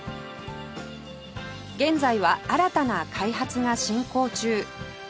現在は新たな開発が進行中